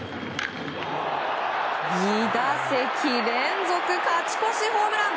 ２打席連続勝ち越しホームラン！